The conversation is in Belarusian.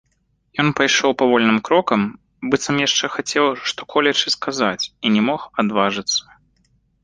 Ён пайшоў павольным крокам, быццам яшчэ хацеў што-колечы сказаць і не мог адважыцца.